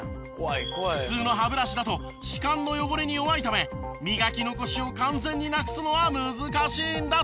普通の歯ブラシだと歯間の汚れに弱いため磨き残しを完全になくすのは難しいんだとか。